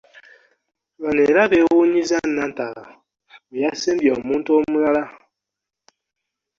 Bano era beewuunyizza Nantaba bwe yasembye omuntu omulala.